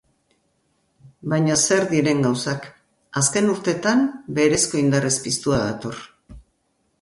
Baina zer diren gauzak, azken urtetan berezko indarrez piztua dator.